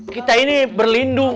kita ini berlindung